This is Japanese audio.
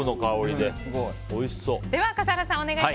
では、笠原さん